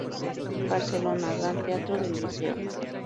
Barcelona: Gran Teatro del Liceo;